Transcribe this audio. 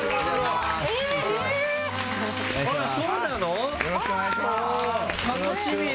あら、そうなの！？